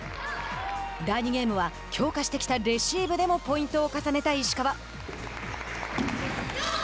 第２ゲームは、強化してきたレシーブでもポイントを重ねた石川。